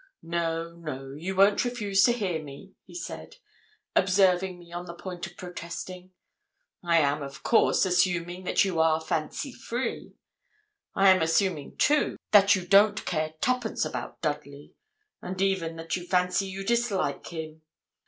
No, no, you won't refuse to hear me,' he said, observing me on the point of protesting. 'I am, of course, assuming that you are fancy free. I am assuming, too, that you don't care twopence about Dudley, and even that you fancy you dislike him.